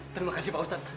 terima kasih pak ustadz